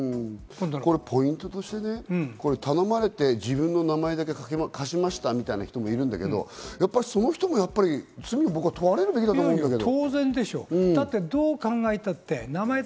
ポイントとして頼まれて自分の名前だけ貸しましたみたいな人もいるんだけど、やっぱりその人も僕は罪に問われるべきだと思うんだけど。